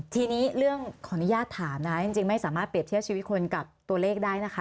ทีนี้เรื่องขออนุญาตถามนะคะจริงไม่สามารถเปรียบเทียบชีวิตคนกับตัวเลขได้นะคะ